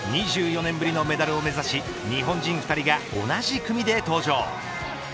２４年ぶりのメダルを目指し日本人２人が同じ組で登場。